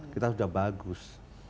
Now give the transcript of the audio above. kita sudah bagus